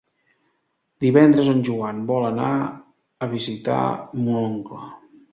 Divendres en Joan vol anar a visitar mon oncle.